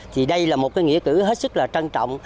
thì đây là một cái nghĩa tử hết sức là trân trọng